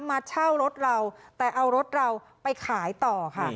มาเช่ารถเราแต่เอารถเราไปขายต่อค่ะ